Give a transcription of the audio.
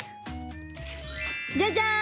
じゃじゃん！